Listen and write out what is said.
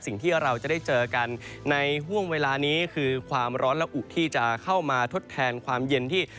สิ่งที่เราจะได้เจอกันในห่วงเวลานี้คือความร้อนและอุที่จะเข้ามาทดแทนความเย็นที่